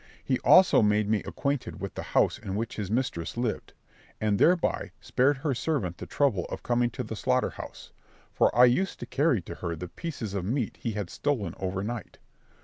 He also made me acquainted with the house in which his mistress lived, and thereby spared her servant the trouble of coming to the slaughter house, for I used to carry to her the pieces of meat he had stolen over night.